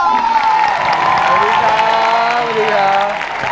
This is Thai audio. สวัสดีครับ